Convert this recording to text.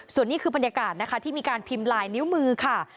ส่วนนี้คือบรรยากาศนะคะที่มีการพิมพ์ลายนิ้วมือค่ะ